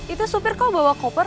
itu supir kok bawa koper